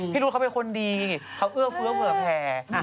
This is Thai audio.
รู้เขาเป็นคนดีเขาเอื้อเฟื้อเผื่อแผ่